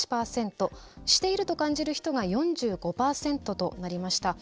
「している」と感じる人が４５％となりました。